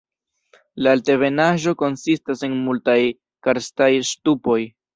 La altebenaĵo konsistas en multaj karstaj ŝtupoj.